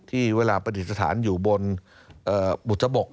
ที่เวลาปฏิสถานอยู่บนบุตรสมบก